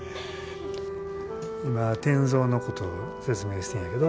今転造のことを説明してんやけど。